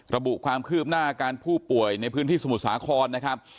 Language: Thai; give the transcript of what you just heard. ระบุความคืบหน้าอาการผู้ป่วยในพื้นที่สมุทรสาครนะครับ